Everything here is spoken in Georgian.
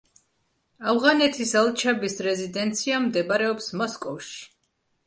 ავღანეთის ელჩების რეზიდენცია მდებარეობს მოსკოვში.